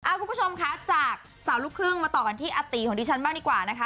คุณผู้ชมคะจากสาวลูกครึ่งมาต่อกันที่อาตีของดิฉันบ้างดีกว่านะคะ